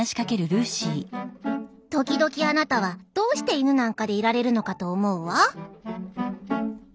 「時々あなたはどうして犬なんかでいられるのかと思うわ」。